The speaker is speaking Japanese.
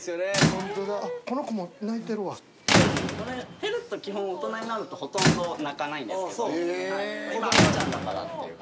フェレット基本大人になるとほとんど鳴かないんですけど今赤ちゃんだからっていう感じですね。